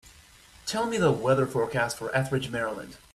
Tell me the weather forecast for Ethridge, Maryland